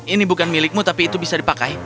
ini bukan milikmu tapi itu bisa dipakai